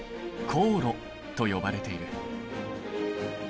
高炉と呼ばれている。